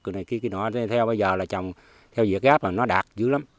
cái này kia kia nọ theo bây giờ là trồng theo dự áp là nó đạt dữ lắm